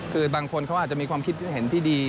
คือบางคนเขาอาจจะมีความคิดเห็นที่ดี